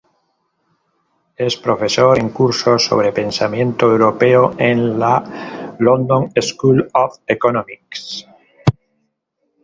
Es profesor en cursos sobre pensamiento europeo, en la London School of Economics.